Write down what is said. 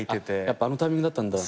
やっぱあのタイミングだったんだ。